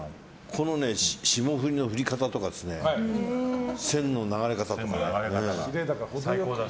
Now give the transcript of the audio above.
この霜降りの降り方とか線の流れ方とかね。